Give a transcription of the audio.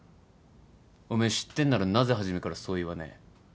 おめえ知ってんならなぜ初めからそう言わねえ？